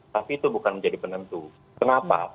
tapi itu bukan menjadi penentu kenapa